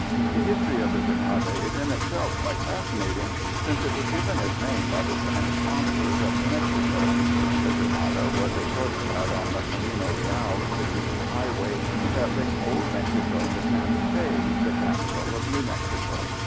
The history of the Jornada is in itself quite fascinating, since it was given its name by the Spanish conquerors of New Mexico. The Jornada was a short cut on the Camino Real, the King's Highway that linked old Mexico to Santa Fe, the capital of New Mexico.